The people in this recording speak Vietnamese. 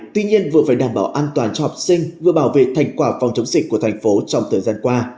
tuy nhiên vừa phải đảm bảo an toàn cho học sinh vừa bảo vệ thành quả phòng chống dịch của thành phố trong thời gian qua